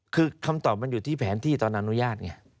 คือคำตอบมันอยู่ที่แผนที่ตอนอนุญาตไง